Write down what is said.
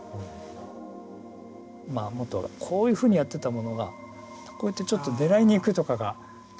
もっとこういうふうにやってたものがこうやってちょっと狙いにいくとかがちょっとずつ出てくる。